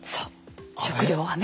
食料はね。